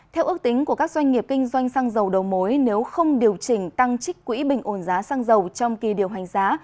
theo ước tính của các doanh nghiệp kinh doanh xăng dầu đầu mối nếu không điều chỉnh tăng trích quỹ bình ổn giá xăng dầu trong kỳ điều hành giá